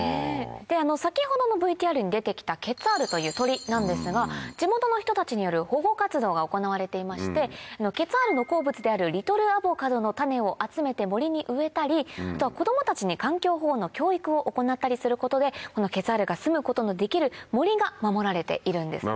先ほどのＶＴＲに出てきたケツァールという鳥なんですが地元の人たちによる保護活動が行われていましてケツァールの好物であるリトルアボカドの種を集めて森に植えたりあとは子供たちに環境保護の教育を行ったりすることでこのケツァールがすむことのできる森が守られているんですね。